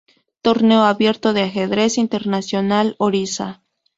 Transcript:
Torneo Abierto de Ajedrez Internacional Orissa.